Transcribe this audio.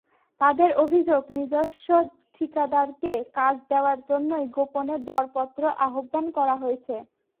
তাঁদের অভিযোগ, নিজস্ব ঠিকাদারকে কাজ দেওয়ার জন্যই গোপনে দরপত্র আহ্বান করা হয়েছে।